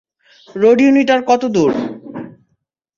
Road unit আর কত দূরে?